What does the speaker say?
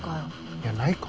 いやないか。